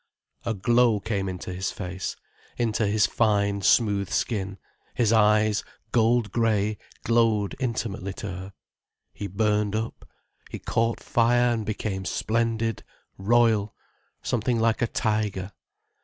A glow came into his face, into his fine, smooth skin, his eyes, gold grey, glowed intimately to her. He burned up, he caught fire and became splendid, royal, something like a tiger.